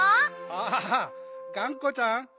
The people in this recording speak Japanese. あがんこちゃん。